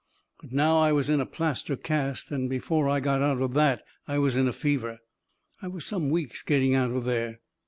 But now I was in a plaster cast, and before I got out of that I was in a fever. I was some weeks getting out of there.